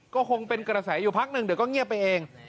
ก็คงเป็นกระแสอยู่พักหนึ่งเดี๋ยวก็เงียบไปเอง